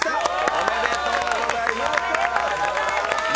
おめでとうございます！